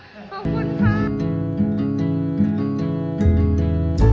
ขอบคุณครับ